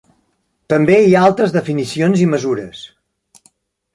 També hi ha altres definicions i mesures.